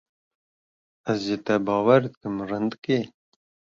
Ez ji te bawer dikim rindikê.